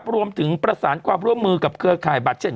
รวมถึงประสานความร่วมมือกับเครือข่ายบาดเจ็บ